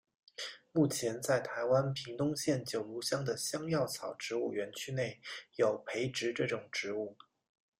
目前在台湾屏东县九如乡的香药草植物园区内有培植这种植物。